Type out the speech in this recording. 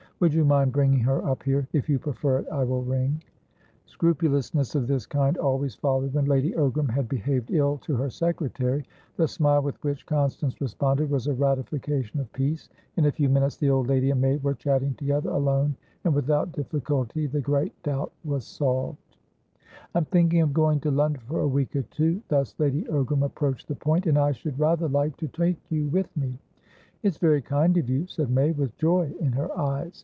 Would you mind bringing her up here? If you prefer it, I will ring." Scrupulousness of this kind always followed when Lady Ogram had behaved ill to her secretary. The smile with which Constance responded was a ratification of peace. In a few minutes the old lady and May were chatting together, alone, and without difficulty the great doubt was solved. "I'm thinking of going to London for a week or two" thus Lady Ogram approached the point"and I should rather like to take you with me." "It's very kind of you," said May, with joy in her eyes.